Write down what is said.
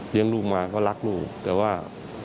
ลูกมาก็รักลูกแต่ว่า